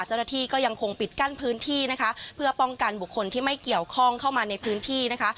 เจ้าหน้าที่ก็ยังคงปิดกั้นพื้นที่นะคะเพื่อป้องกันบุคคลที่ไม่เกี่ยวข้องเข้ามาในพื้นที่นะคะ